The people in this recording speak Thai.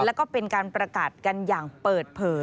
แล้วก็เป็นการประกาศกันอย่างเปิดเผย